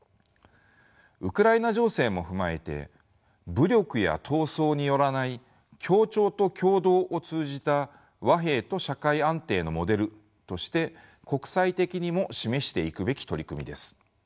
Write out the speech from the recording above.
ウクライナ情勢も踏まえて武力や闘争によらない協調と協働を通じた和平と社会安定のモデルとして国際的にも示していくべき取り組みです。